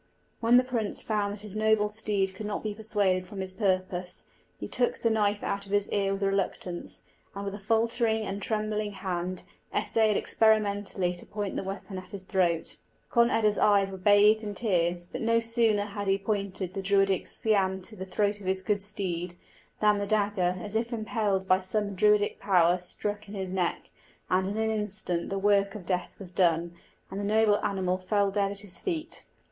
When the prince found that his noble steed could not be persuaded from his purpose, he took the knife out of his ear with reluctance, and with a faltering and trembling hand essayed experimentally to point the weapon at his throat. Conn eda's eyes were bathed in tears; but no sooner had he pointed the Druidic scian to the throat of his good steed, than the dagger, as if impelled by some Druidic power, stuck in his neck, and in an instant the work of death was done, and the noble animal fell dead at his feet.